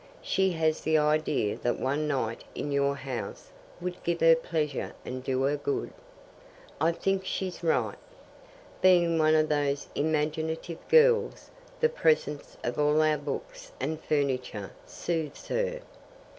"She has the idea that one night in your house would give her pleasure and do her good. I think she's right. Being one of those imaginative girls, the presence of all our books and furniture soothes her.